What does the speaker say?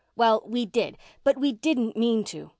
Well, we did—but we didn't mean to.